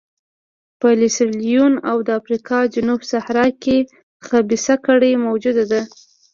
په سیریلیون او د افریقا جنوب صحرا کې خبیثه کړۍ موجوده ده.